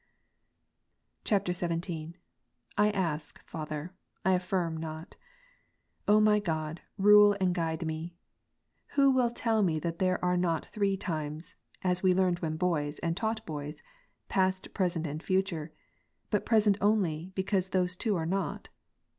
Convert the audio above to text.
[XVII.] 22. I ask, Father, I affirm not : O my God, rule and guide me. " Who will tell me that there are not three times, (as we learned when boys, and taught boys,) past, present, and future ; but present only, because those two are not